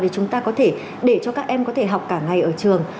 thì chúng ta có thể để cho các em có thể học cả ngày ở trường